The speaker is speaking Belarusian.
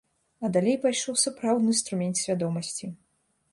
А далей пайшоў сапраўдны струмень свядомасці.